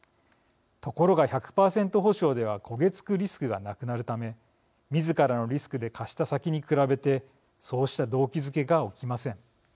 ところが１００％保証では焦げ付くリスクがなくなるためみずからのリスクで貸した先に比べてそうした動機づけが起きません。